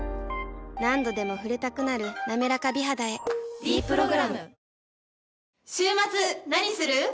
何度でも触れたくなる「なめらか美肌」へ「ｄプログラム」